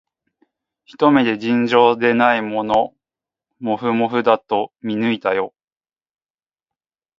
ひと目で、尋常でないもふもふだと見抜いたよ